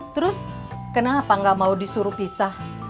terus kenapa gak mau disuruh pisah